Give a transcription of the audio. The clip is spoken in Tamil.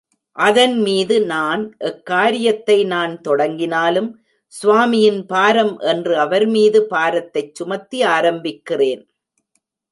அதன்மீது நான், எக்காரியத்தை நான் தொடங்கினாலும், ஸ்வாமியின் பாரம் என்று அவர்மீது பாரத்தைச் சுமத்தி ஆரம்பிக்கிறேன்.